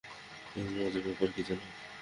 এবং মজার ব্যাপার কি জানো?